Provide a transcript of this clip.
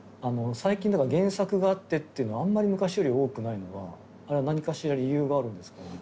最近原作があってっていうのがあんまり昔より多くないのはあれは何かしら理由があるんですかね？